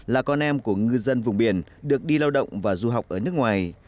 là con em của ngư dân vùng biển được đi lao động và du học ở nước ngoài